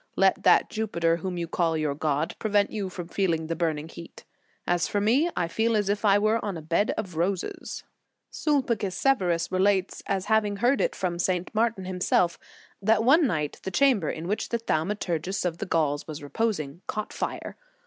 Let that Jupiter whom you call your God, prevent you from feeling the burning heat. As for me, I feel as if I were on a bed of roses. " j Sulpicius Severus relates as having heard it from St. Martin himself, that one night the chamber in which the Thaumaturgus of the Gauls was reposing, caught fire.